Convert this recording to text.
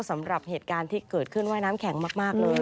สำหรับเหตุการณ์ที่เกิดขึ้นว่ายน้ำแข็งมากเลย